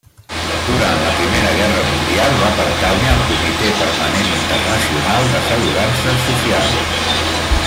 Durant la Primera Guerra Mundial va pertànyer al Comitè Permanent Internacional d'Assegurances Socials.